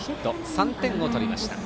３点を取りました。